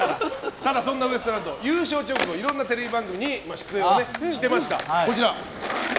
ただ、そんなウエストランド優勝直後いろんなテレビ番組にご出演していました。